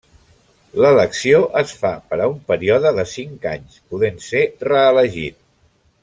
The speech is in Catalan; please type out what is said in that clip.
L'elecció es fa per a un període de cinc anys, podent ser reelegit.